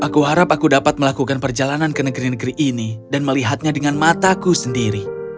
aku harap aku dapat melakukan perjalanan ke negeri negeri ini dan melihatnya dengan mataku sendiri